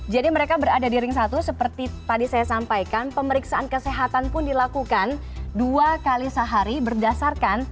jadi mereka berada di ring satu seperti tadi saya sampaikan pemeriksaan kesehatan pun dilakukan dua kali sehari berdasarkan